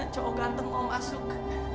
jujur gapeng lewat masuk